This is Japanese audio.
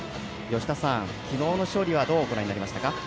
吉田さん、昨日の勝利はどうご覧になりましたか？